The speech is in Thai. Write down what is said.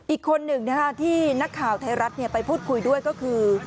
อีกคนหนึ่งที่นักข่าวไทยรัฐไปพูดคุยด้วยก็คือ